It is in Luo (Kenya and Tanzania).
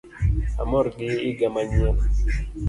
Amor gi iga manyien